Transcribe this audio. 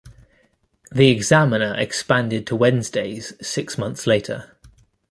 The Examiner expanded to Wednesdays six months later.